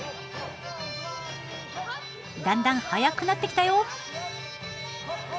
だんだん速くなってきたよ。